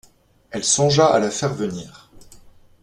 Elle songea à la faire venir.